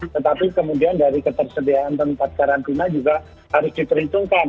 tetapi kemudian dari ketersediaan tempat karantina juga harus diperhitungkan